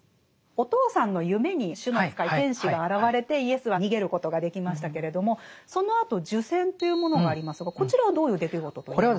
お父さんの夢に主の使い天使が現れてイエスは逃げることができましたけれどもそのあと受洗というものがありますがこちらはどういう出来事と言えますか？